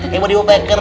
kayak modi wopaker